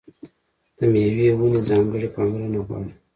د مېوې ونې ځانګړې پاملرنه غواړي.